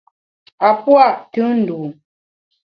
A pua’ tùn ndû.